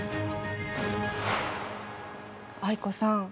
藍子さん。